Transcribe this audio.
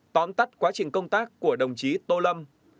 tóm tắt quá trình công tác của đồng chí tô lâm